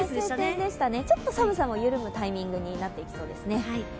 晴天でしたね、ちょっと寒さも緩むタイミングになってきそうですね。